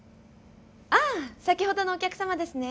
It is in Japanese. ああ先ほどのお客さまですね。